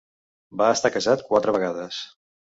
Va estar casat quatre vegades.